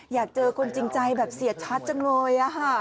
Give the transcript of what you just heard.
อยากเจอคนจริงใจแบบเสียชัดจังเลย